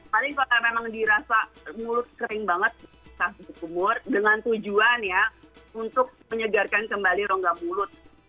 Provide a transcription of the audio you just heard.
paling kalau memang dirasa mulut kering banget kaki sumur dengan tujuan ya untuk menyegarkan kembali rongga mulut